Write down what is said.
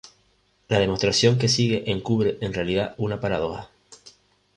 La "demostración" que sigue encubre en realidad una paradoja.